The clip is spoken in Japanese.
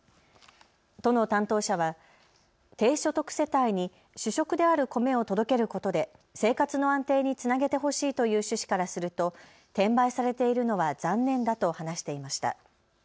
都の担当者は低所得世帯に主食である米を届けることで生活の安定につなげてほしいという趣旨からすると転売されているのは残念だと話していました。